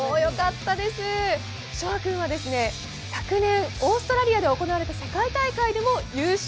翔海君は昨年、オーストラリアで行われた世界大会でも優勝。